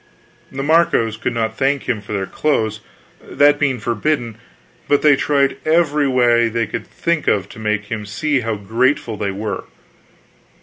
The Marcos could not thank him for their clothes, that being forbidden; but they tried every way they could think of to make him see how grateful they were.